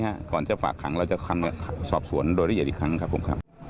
แต่ก่อนจะฝากคำเราจะคำคำสอบสวนโดยระยียดอีกครั้ง